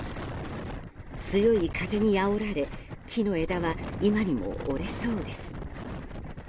強い風にあおられ木の枝は今にも折れそうです。